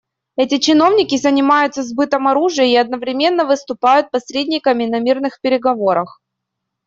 Эти чиновники занимаются сбытом оружия и одновременно выступают посредниками на мирных переговорах.